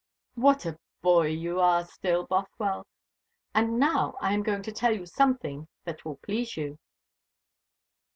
"What a boy you are still, Bothwell! And now I am going to tell you something that will please you."